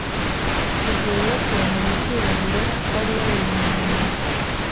Icyo gihe Yesu yemera ibyubahiro atari yarihanganiye